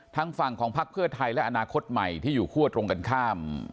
ทางฝั่งของพักเพื่อไทยและอนาคตใหม่ที่อยู่คั่วตรงกันข้าม